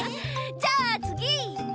じゃあつぎ！